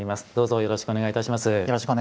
よろしくお願いします。